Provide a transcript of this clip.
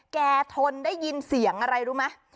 ทนได้ยินเสียงอะไรรู้ไหม